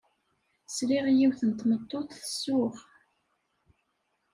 Sliɣ i yiwet n tmeṭṭut tsuɣ.